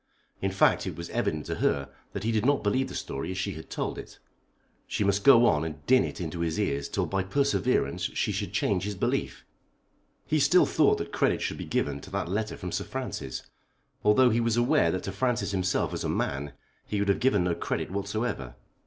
In fact, it was evident to her that he did not believe the story as she had told it. She must go on and din it into his ears till by perseverance she should change his belief. He still thought that credit should be given to that letter from Sir Francis, although he was aware that to Sir Francis himself as a man he would have given no credit whatsoever.